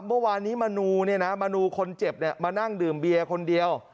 เมื่อวานนี้มณูคนเจ็บมานั่งดื่มเบียคนเดียว